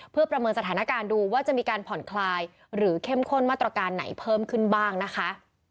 เพื่อประเมินสถานการณ์ดูว่าจะมีการผ่อนคลายหรือเข้มข้นมาตรการไหนเพิ่มขึ้นบ้างนะคะ